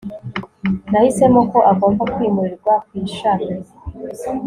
nahisemo ko agomba kwimurirwa ku ishami